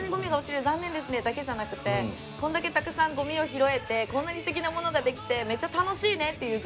残念ですね」だけじゃなくてこんだけたくさんゴミを拾えてこんなに素敵なものができてめっちゃ楽しいねっていう